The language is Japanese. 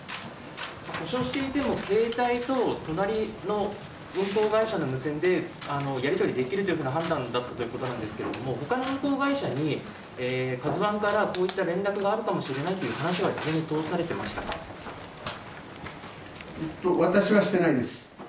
故障していても携帯と隣の運航会社の無線でやり取りできるという判断だったということなんですけれどもほかの運航会社に「ＫＡＺＵⅠ」からこういった連絡があるかもしれないという話は私はしていないです。